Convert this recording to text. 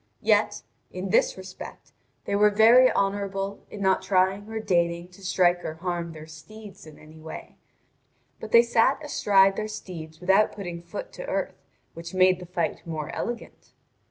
Yet, in this respect they were very honourable in not trying or deigning to strike or harm their steeds in any way; but they sat astride their steeds without putting foot to earth, which made the fight more elegant.